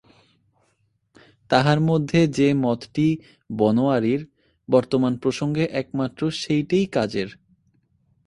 তাহার মধ্যে যে মতটি বনোয়ারির, বর্তমান প্রসঙ্গে একমাত্র সেইটেই কাজের।